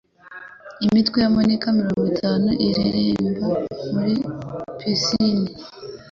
Imitwe ya mannequin mirongo itanu ireremba muri pisine.